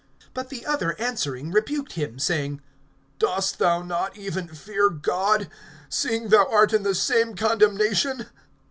(40)But the other answering rebuked him, saying: Dost thou not even fear God, seeing thou art in the same condemnation?